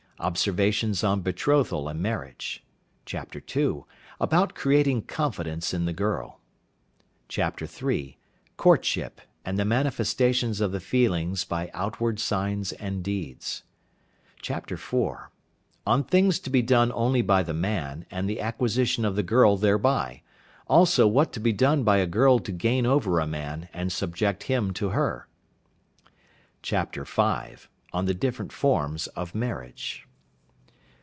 Observations on Betrothal and Marriage. " II. About creating Confidence in the Girl. " III. Courtship, and the manifestations of the feelings by outward signs and deeds. " IV. On things to be done only by the Man, and the acquisition of the Girl thereby. Also what to be done by a Girl to gain over a Man and subject him to her. " V. On the different Forms of Marriage.